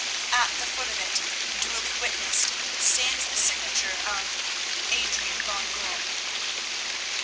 At the foot of it, duly witnessed, stands the signature of—Adrian van Goorl."